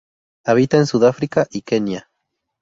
Habita en Sudáfrica y Kenia.